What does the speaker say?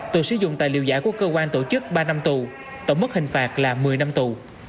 tội sử dụng tài liệu giả của cơ quan tổ chức ba năm tù tổng mức hình phạt là một mươi năm tù